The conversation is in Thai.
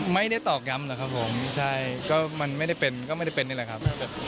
ตอกย้ำหรอกครับผมใช่ก็มันไม่ได้เป็นก็ไม่ได้เป็นนี่แหละครับ